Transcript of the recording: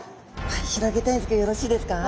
広げたいんですけどよろしいですか？